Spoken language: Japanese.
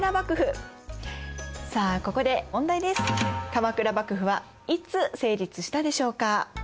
鎌倉幕府はいつ成立したでしょうか？